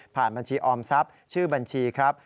บัญชีออมทรัพย์ชื่อบัญชีครับ